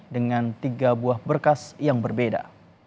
dengan tiga buah berkas yang berbeda